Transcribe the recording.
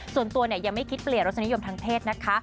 ส่วนตัวยังไม่คิดเปลี่ยนรสนิยมทางเพศนะคะ